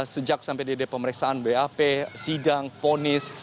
sejak sampai di pemeriksaan bap sidang fonis